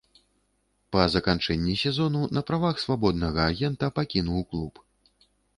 Па заканчэнні сезону на правах свабоднага агента пакінуў клуб.